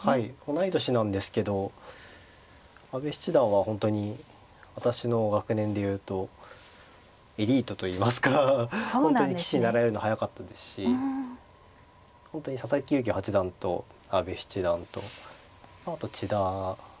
同い年なんですけど阿部七段は本当に私の学年で言うとエリートといいますか本当に棋士になられるの早かったですし本当に佐々木勇気八段と阿部七段とまああと千田七段ですかね。